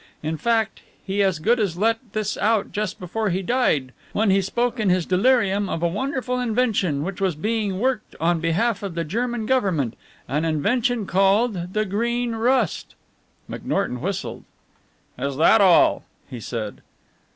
In fact, he as good as let this out just before he died, when he spoke in his delirium of a wonderful invention which was being worked on behalf of the German Government, an invention called the Green Rust." McNorton whistled. "Is that all?" he said.